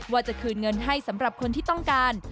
ว่าจะคืนเงินให้สำหรับคนที่ต้องการ